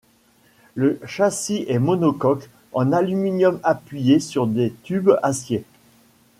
Le châssis est monocoque en aluminium appuyé sur des tubes acier.